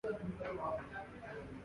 شمالی افریقہ